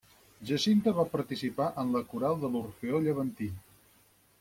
Jacinta va participar en la coral de l'Orfeó Llevantí.